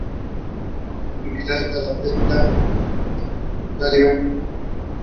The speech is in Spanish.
Con posterioridad a esta fecha el castillo tendría diversos usos.